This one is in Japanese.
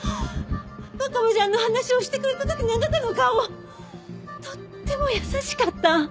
若葉ちゃんの話をしてくれた時のあなたの顔とっても優しかった。